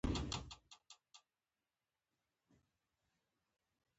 دغه بیزو ته اوسترالوپیتکوس ویل کېده.